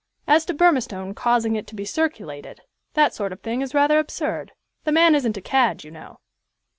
As to Burmistone 'causing it to be circulated,' that sort of thing is rather absurd. The man isn't a cad, you know."